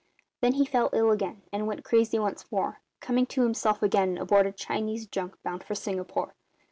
Then he fell ill again and went crazy once more, coming to himself again aboard a Chinese junk bound for Singapore.